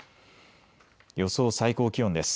予想最高気温です。